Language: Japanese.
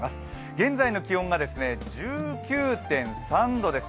現在の気温が１９．３度です。